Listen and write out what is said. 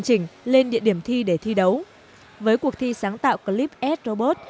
chỉnh lên địa điểm thi để thi đấu với cuộc thi sáng tạo clip ed robot